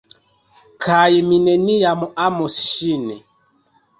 kaj mi neniam amos ŝin!